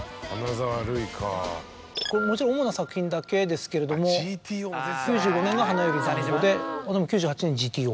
これもちろん主な作品だけですけれども９５年が『花より男子』で９８年『ＧＴＯ』。